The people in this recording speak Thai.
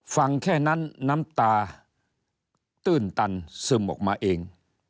ฟังแค่นั้นน้ำตาตื้นตันซึมออกมาเอง